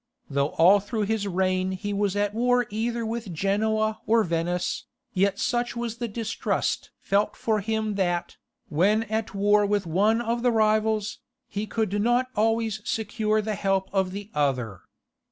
Though all through his reign he was at war either with Genoa or Venice, yet such was the distrust felt for him that, when at war with one of the rivals, he could not always secure the help of the other.